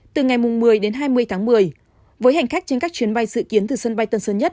từ ngày một mươi đến hai mươi tháng một mươi với hành khách trên các chuyến bay dự kiến từ sân bay tân sơn nhất